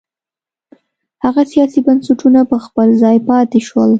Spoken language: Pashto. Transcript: هغه سیاسي بنسټونه په خپل ځای پاتې شول.